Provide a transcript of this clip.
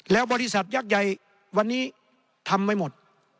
แล้วบริษัทยักษ์ใหญ่วันนี้ทำไว้หมด